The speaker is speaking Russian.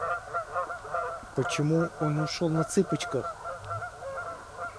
Почему он ушёл на цыпочках?